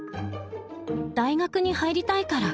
大学に入りたいから。